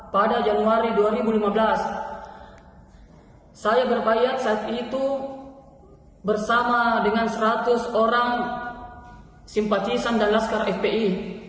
pada januari dua ribu lima belas saya berbayat saat itu bersama dengan seratus orang simpatisan dan laskar fpi